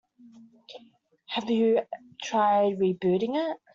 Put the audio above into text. Have you tried rebooting it?